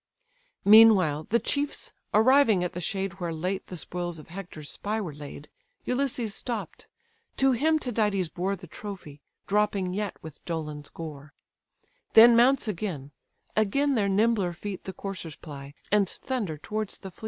Meanwhile the chiefs, arriving at the shade Where late the spoils of Hector's spy were laid, Ulysses stopp'd; to him Tydides bore The trophy, dropping yet with Dolon's gore: Then mounts again; again their nimbler feet The coursers ply, and thunder towards the fleet.